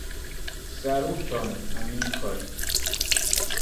Saluton, amikoj!